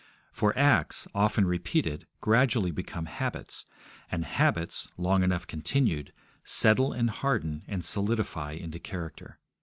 For acts, often repeated, gradually become habits, and habits, long enough continued, settle and harden and solidify into character.